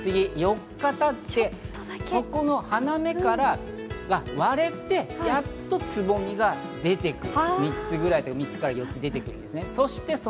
そこから次４日たって、そこの花芽から割れて、やっとつぼみが出てくる。